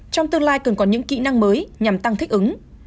trong tương lai cần có những kỹ năng mới nhằm tăng thích ứng